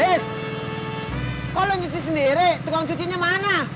tis kok lo nyuci sendiri tukang cucinya mana